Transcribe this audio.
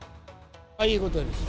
いいことです。